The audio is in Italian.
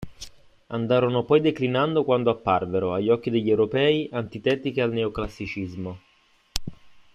Andarono poi declinando quando apparvero, agli occhi degli europei, antitetiche al neoclassicismo.